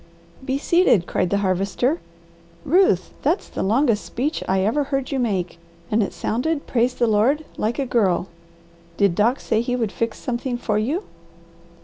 "Be seated!" cried the Harvester. "Ruth, that's the longest speech I ever heard you make, and it sounded, praise the Lord, like a girl. Did Doc say he would fix something for you?"